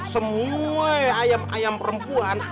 semua ayam ayam perempuan